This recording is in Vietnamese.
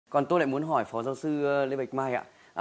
còn tôi lại muốn hỏi phó giáo sư lê bạch mai ạ